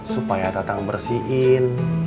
supaya tatang bersihin